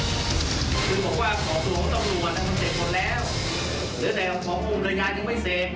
หรือแต่ของอุตญาณยังไม่เสร็จนะครับ